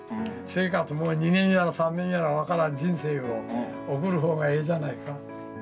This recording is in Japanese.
生活も２年やら３年やら分からん人生を送る方がええじゃないか。